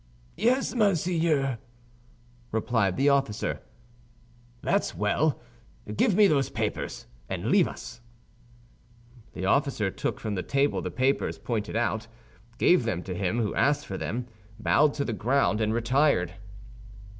"Yes, monseigneur," replied the officer. "That's well. Give me those papers, and leave us." The officer took from the table the papers pointed out, gave them to him who asked for them, bowed to the ground, and retired.